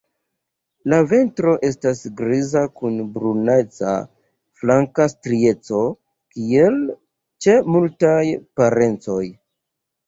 La ventro estas griza kun bruneca flanka strieco, kiel ĉe multaj parencoj.